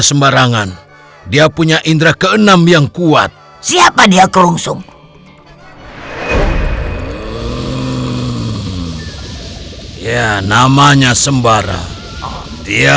sembarangan dia punya indra keenam yang kuat siapa dia kerungsung ya namanya sembara dia